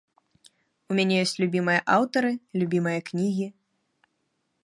У мяне ёсць любімыя аўтары, любімыя кнігі.